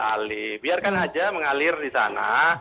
alih biarkan aja mengalir di sana